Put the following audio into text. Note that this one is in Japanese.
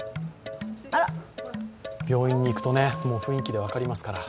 病院に行くと、もう雰囲気で分かりますから。